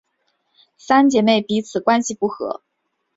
三姐妹彼此关系不和。